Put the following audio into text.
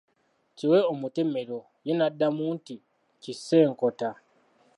Kiwe omutemero, ye n'addamu nti, kisse enkota.